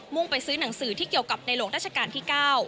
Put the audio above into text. ไปซื้อหนังสือที่เกี่ยวกับในหลวงราชการที่๙